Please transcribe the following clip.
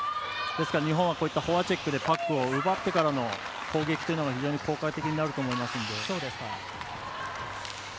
ですから日本はフォアチェックでパックを奪ってからの攻撃というのが非常に効果的になると思います。